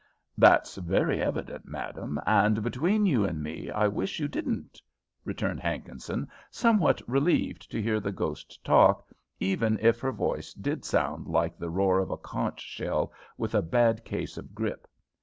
"That's very evident, madame, and between you and me I wish you didn't," returned Hankinson, somewhat relieved to hear the ghost talk, even if her voice did sound like the roar of a conch shell with a bad case of grip.